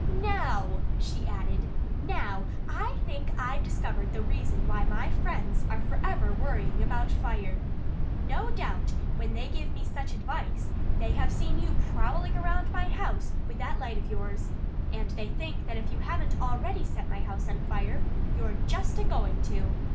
Now " she added "now I think I've discovered the reason why my friends are forever worrying about fire. No doubt when they give me such advice they have seen you prowling around my house with that light of yours; and they think that if you haven't already set my house on fire, you're just a going to."